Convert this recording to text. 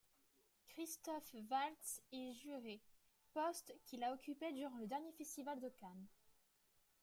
Christoph Waltz est juré, poste qu'il a occupé durant le dernier Festival de Cannes.